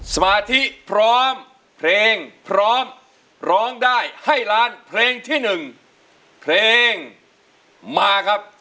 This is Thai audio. สมาธิพร้อมเพลงพร้อมร้องได้ให้ล้านเพลงที่๑เพลงมาครับ